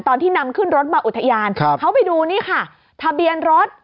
ตอนที่นำขึ้นรถมาอุทยานเขาไปดูนี่ค่ะทะเบียนรถ